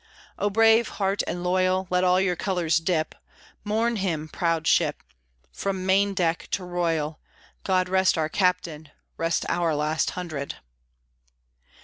O brave heart and loyal! Let all your colors dip; Mourn him proud ship! From main deck to royal. God rest our Captain, Rest our lost hundred!